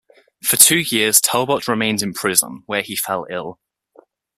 For two years Talbot remained in prison, where he fell ill.